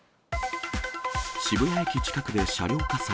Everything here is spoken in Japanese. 渋谷駅近くで車両火災。